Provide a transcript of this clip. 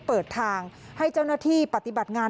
เปิดทางให้เจ้าหน้าที่ปฏิบัติงาน